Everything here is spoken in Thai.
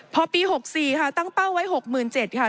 พอปี๖๔ตั้งเป้าไว้๖๗๐๐๐บาท